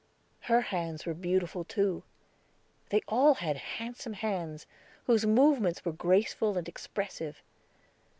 Her hands were beautiful, too; they all had handsome hands, whose movements were graceful and expressive.